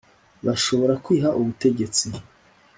Bashobora kwiha ubutegetsi.